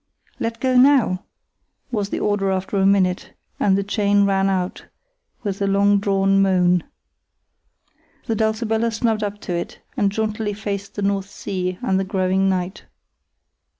"Let go now!" was the order after a minute, and the chain ran out with a long drawn moan. The Dulcibella snubbed up to it and jauntily faced the North Sea and the growing night.